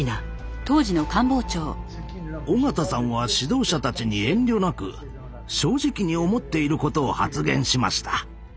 緒方さんは指導者たちに遠慮なく正直に思っていることを発言しました。